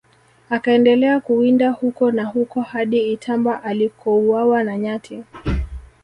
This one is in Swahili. Akaendelea kuwinda huko na huko hadi Itamba alikouawa na nyati